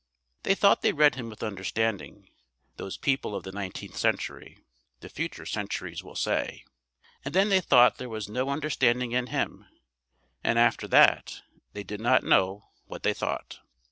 "They thought they read him with understanding, those people of the nineteenth century," the future centuries will say; "and then they thought there was no understanding in him, and after that they did not know what they thought."